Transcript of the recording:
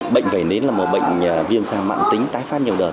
bệnh vẩy nến là một bệnh viêm sang mạng tính tái phát nhiều đợt